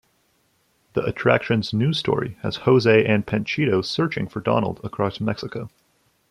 The attraction's new story has Jose and Panchito searching for Donald across Mexico.